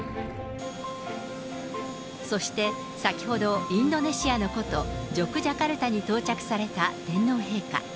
そして、先ほどインドネシアの古都・ジョクジャカルタに到着された天皇陛下。